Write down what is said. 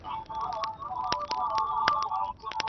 কিচ্ছু স্পর্শ করিস না।